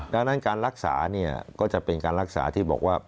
ดังนั้นการรักษาเนี่ยก็จะเป็นการรักษาที่บอกว่า